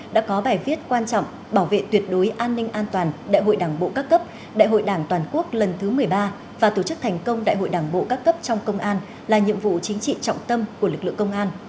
đã có bài viết quan trọng bảo vệ tuyệt đối an ninh an toàn đại hội đảng bộ các cấp đại hội đảng toàn quốc lần thứ một mươi ba và tổ chức thành công đại hội đảng bộ các cấp trong công an là nhiệm vụ chính trị trọng tâm của lực lượng công an